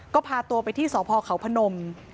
ก็พาตัวไปที่สพเขาพนม